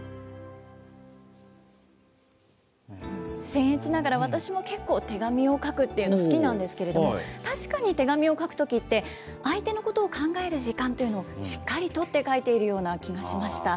せんえつながら、私も結構、手紙を書くっていうの、好きなんですけど、確かに手紙を書くときって、相手のことを考える時間というのをしっかり取って書いているような気がしました。